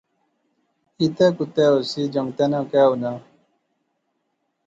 اتے کتے ہوسی، جنگتیں ناں کہہ ہونا